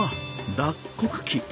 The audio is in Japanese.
脱穀機！